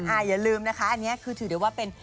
อย่าลืมนะคะอันนี้คือถือได้ว่าเป็น